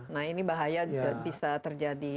nah ini bahaya bisa terjadi